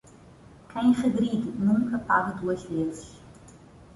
Quem regride nunca paga duas vezes.